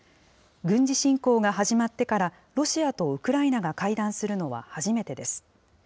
軍事侵攻が始まってから、ロシアとウクライナが会談するのは初めてです。